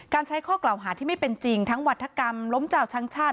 ใช้ข้อกล่าวหาที่ไม่เป็นจริงทั้งวัฒกรรมล้มเจ้าช้างชาติ